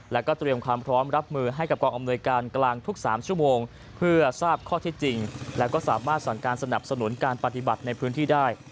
และก็เตรียมความพร้อมรับมือให้กับกองอำนวยการกลางทุก๓ชั่วโมงเพื่อทราบข้อที่จริงและก็สามารถสั่งการสนับสนุนการปฏิบัติในพื้นที่ได้